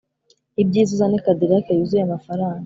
ibyiza uzane cadillac yuzuye amafaranga